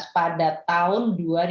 pada tahun dua ribu dua puluh satu